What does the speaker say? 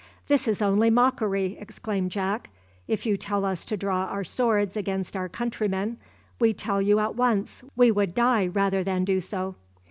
"This is only mockery!" exclaimed Jack. "If you tell us to draw our swords against our countrymen, we tell you at once, we would die rather than do so!"